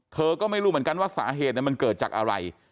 เธอก็ไม่รู้เหมือนกันว่าสาเหตุมันเกิดจากอะไร